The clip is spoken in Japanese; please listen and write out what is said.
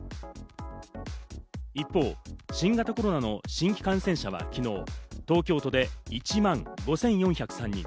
一方、新型コロナの新規感染者は昨日、東京都で１万５４０３人。